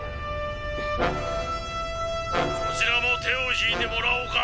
「そちらも手を引いてもらおうか。